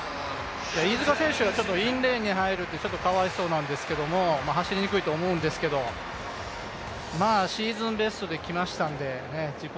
飯塚選手はインレーンに入るのはかわいそうなんですけど、走りにくいと思うんですけどシーズンベストで来ましたので自己